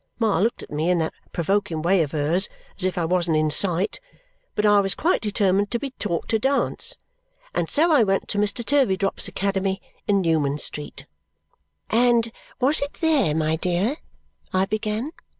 Ma looked at me in that provoking way of hers as if I wasn't in sight, but I was quite determined to be taught to dance, and so I went to Mr. Turveydrop's Academy in Newman Street." "And was it there, my dear " I began.